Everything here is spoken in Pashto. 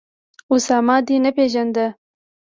اسامه دي نه پېژاند